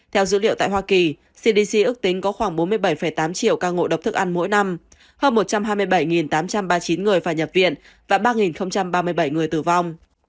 theo dữ liệu tại hoa kỳ cdc ước tính có khoảng bốn mươi bảy tám triệu ca ngộ độc thức ăn mỗi năm hơn một trăm hai mươi bảy tám trăm ba mươi chín người phải nhập viện và ba ba mươi bảy người tử vong